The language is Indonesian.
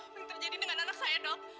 apa yang terjadi dengan anak saya dok